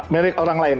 milik orang lain